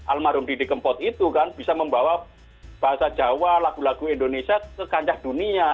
almarhum didi kempot itu kan bisa membawa bahasa jawa lagu lagu indonesia ke kancah dunia